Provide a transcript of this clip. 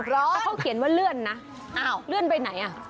เพราะเขาเขียนว่าเลื่อนนะอ้าวเลื่อนไปไหนอ่ะ